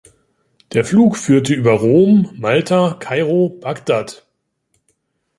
Der Flug führte über Rom, Malta, Kairo, Bagdad.